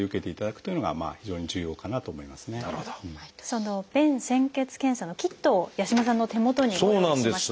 その便潜血検査のキットを八嶋さんの手元にご用意しました。